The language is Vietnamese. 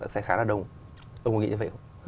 sẽ khá là đông tôi có nghĩ như vậy không